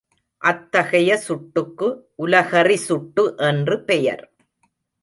அத்தகைய சுட்டுக்கு உலகறி சுட்டு என்று பெயர்.